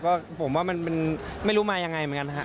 ก็ผมว่ามันไม่รู้มายังไงเหมือนกันฮะ